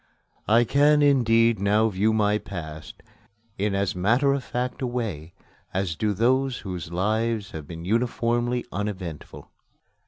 I can, indeed, now view my past in as matter of fact a way as do those whose lives have been uniformly uneventful.